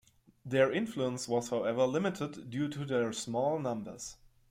Their influence was however limited due to their small numbers.